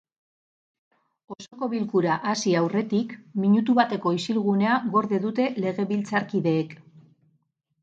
Osoko bilkura hasi aurretik, minutu bateko isilunea gorde dute legebiltzarkideek.